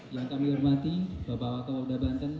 bapak kabit humas polda banten